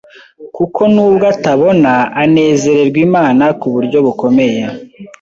kuko nubwo atabona anezererwa Imana ku buryo bukomeye,